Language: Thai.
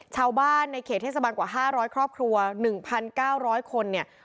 ชาวบ้านในเขตเทศบันกว่าห้าร้อยครอบครัวหนึ่งพันเก้าร้อยคนเนี่ย